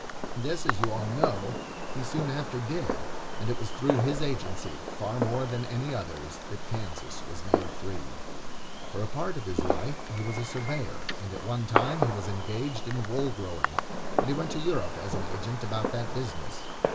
This, as you all know, he soon after did; and it was through his agency, far more than any other's, that Kansas was made free. For a part of his life he was a surveyor, and at one time he was engaged in wool growing, and he went to Europe as an agent about that business.